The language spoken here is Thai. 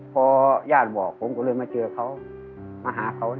พอญาติบอกผมก็เลยมาเจอเขามาหาเขา